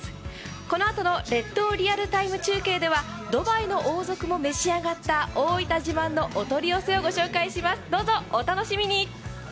このあとの「列島リアルタイム中継」ではドバイの王族も召し上がった大分自慢のお取り寄せをご紹介します、どうぞお楽しみに！